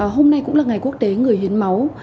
hôm nay cũng là ngày quốc tế người hiến máu